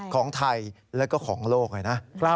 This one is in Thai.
ของไทยแล้วก็ของโลกเลยนะ